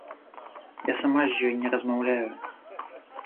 Я сама з ёй не размаўляю.